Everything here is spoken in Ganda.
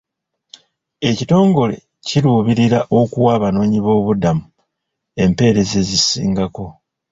Ekitongole kiruubirira okuwa abanoonyi b'obubudamu empeereza ezisingako.